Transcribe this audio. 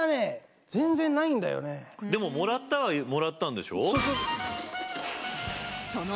でももらったはもらったんでしょ？